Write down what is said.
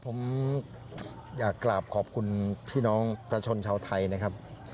ผมอยากกราบขอบคุณพี่น้องประชาชนชาวไทยนะครับ